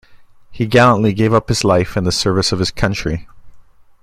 He gallantly gave up his life in the service of his country.